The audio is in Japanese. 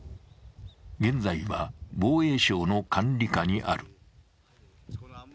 現在は防衛省の管理下にある。